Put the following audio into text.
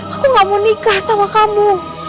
aku gak mau nikah sama kamu